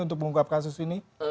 untuk mengungkap kasus ini